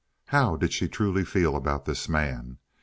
How did she truly feel about this man?